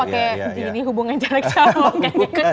oh pakai gini hubungan jarak calon kayaknya kan